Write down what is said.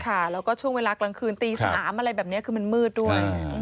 ค่ะแล้วก็ช่วงเวลากลางคืนตี๓อะไรแบบนี้คือมันมืดด้วย